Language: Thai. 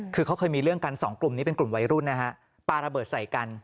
คือเขาเคยมีเรื่องกันสองกลุ่มนี้เป็นกลุ่มวัยรุ่นนะฮะปลาระเบิดใส่กัน